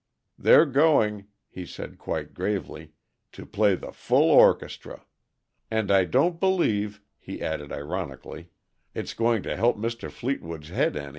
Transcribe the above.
They're going," he said quite gravely, "to play the full orchestra. And I don't believe," he added ironically, "it's going to help Mr. Fleetwood's head any."